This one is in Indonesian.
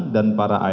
dan para art